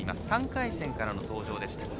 ３回戦からの登場でした。